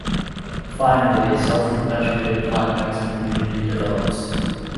Finally a self-perpetuating climax community develops.